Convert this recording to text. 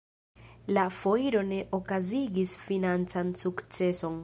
La foiro ne okazigis financan sukceson.